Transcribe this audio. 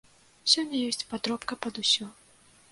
Сёння ёсць падробка пад усё.